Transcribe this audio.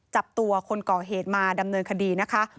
จับตัวคนก่อเหตุมาดำเนินคดีนะคะ